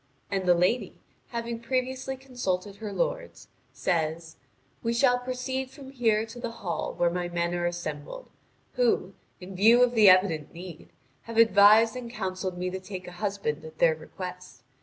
And the lady, having previously consulted her lords, says: "We shall proceed from here to the hall where my men are assembled, who, in view of the evident need, have advised and counselled me to take a husband at their request.